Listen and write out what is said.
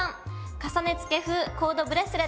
「重ね付け風！コードブレスレット」。